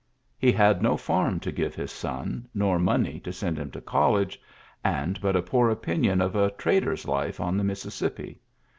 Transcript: He had no farm to give his soi nor money to send him to college^ anc but a poor opinion of a trader's life oi^ the Mississippi.